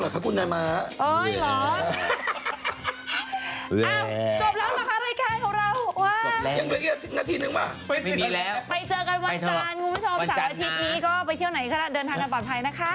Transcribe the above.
สัปดาห์อาทิตย์นี้ก็ไปเที่ยวไหนก็ได้เดินทางกันปลอดภัยนะคะ